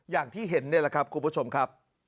อย่างที่เห็นนี่แหละครับคุณผู้ชมครับ